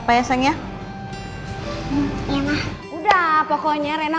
pergi dari aku ternyata mas